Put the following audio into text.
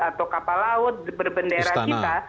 atau kapal laut berbendera kita